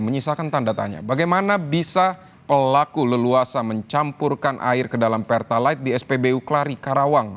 menyisakan tanda tanya bagaimana bisa pelaku leluasa mencampurkan air ke dalam pertalite di spbu klari karawang